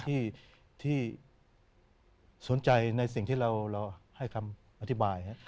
ที่สนใจในสิ่งที่เราให้คำอธิบาย